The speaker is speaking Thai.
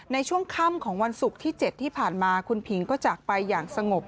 ในช่วงค่ำของวันศุกร์ที่๗ที่ผ่านมาคุณผิงก็จากไปอย่างสงบ